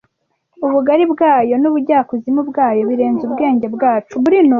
Ubugari bwayo n’ubujyakuzimu bwayo birenze ubwenge bwacu.